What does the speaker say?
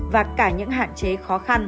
và cả những hạn chế khó khăn